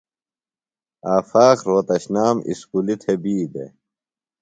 آفاق رھوتشنام اُسکُلیۡ تھےۡ بی دےۡ۔